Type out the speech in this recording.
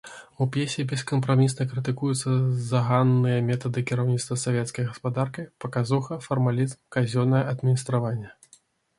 У п'есе бескампрамісна крытыкуюцца заганныя метады кіраўніцтва савецкай гаспадаркай, паказуха, фармалізм, казённае адміністраванне.